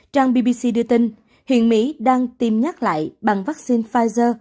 trang bbc đưa tin hiện mỹ đang tiêm nhắc lại bằng vắc xin pfizer